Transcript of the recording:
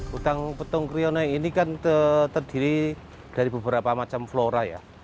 hutan petung kriono ini kan terdiri dari beberapa macam flora ya